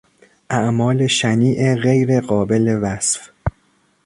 اعمال شنیع غیر قابل وصف